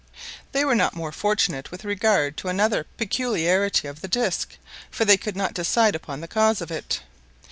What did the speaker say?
They were not more fortunate with regard to another peculiarity of the disc, for they could not decide upon the cause of it.